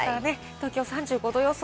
東京３５度予想。